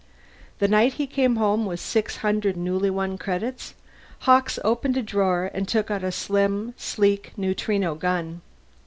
The night he came home with six hundred newly won credits, Hawkes opened a drawer and took out a slim, sleek neutrino gun.